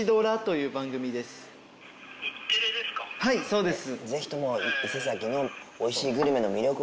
はいそうです。